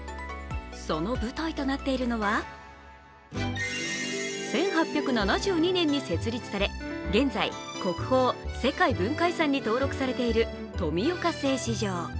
その舞台となっているのは、１８７２年に設立され、現在、国宝・世界文化遺産に登録されている富岡製糸場。